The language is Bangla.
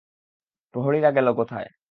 প্রহরীরা গেল কোথায়?